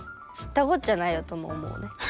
知ったこっちゃないよとも思うね。